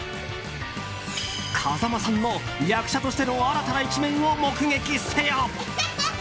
風間さんの役者としての新たな一面を目撃せよ。